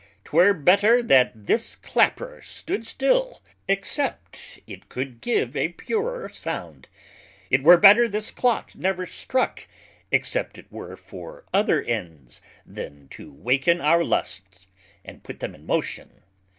'Twere better that this Clapper stood still, except it could give a purer sound; it were better this Clock never struck, except it were for other ends then to awaken our Lusts, and put them in motion.